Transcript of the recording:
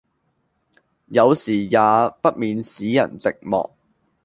有時也不免使人寂寞，